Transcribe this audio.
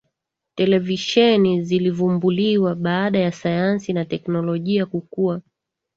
televisheni zilivumbuliwa baada ya sayansi na teknolojia kukua